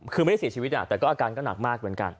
คือไม่ได้เสียชีวิตแต่ก็อาการก็หนักมากเหมือนกัน